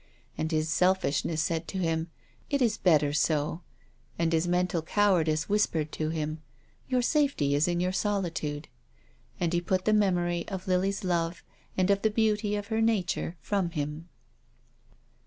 And his selfishness said to him — it is better so. And his mental cowardice whispered to him — your safety is in your solitude. And he put the memory of Lily's love and of the beauty of her nature from him.